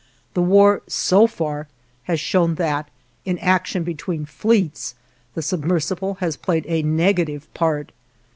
The war, so far, has shown that, in action between fleets, the submersible has played a negative part.